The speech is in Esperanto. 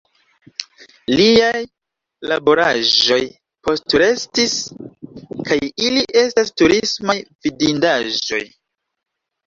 Liaj laboraĵoj postrestis kaj ili estas turismaj vidindaĵoj.